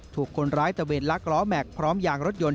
ถูกคนร้ายตะเวนลักล้อแม็กซ์พร้อมยางรถยนต